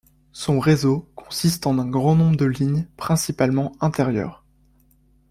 Son réseau consiste en un grand nombre de lignes principalement intérieures.